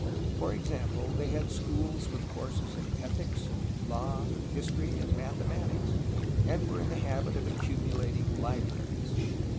For example they had schools with courses in ethics, law, history, and mathe matics, and were in the habit of accumulating libraries.